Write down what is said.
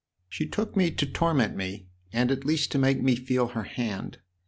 " She took me to torment me or at least to make me feel her hand.